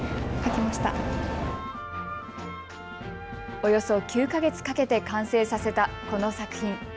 およそ９か月かけて完成させたこの作品。